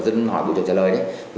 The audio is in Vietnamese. dân hỏi bộ trưởng trả lời đấy